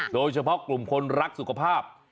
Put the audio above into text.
โดยเฉพาะกลุ่มคนรักสุขภาพ